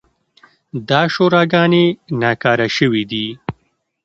دا شوراګانې ناکاره شوې دي.